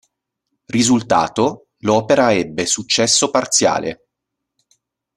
Risultato: l'opera ebbe successo parziale.